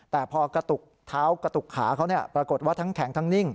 แต่พอกระตุกเท้ากระตุกขาเขาปรากฏว่าทั้งแข็งทั้งนิ่ง